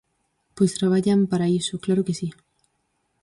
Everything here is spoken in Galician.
Pois traballan para iso, ¡claro que si!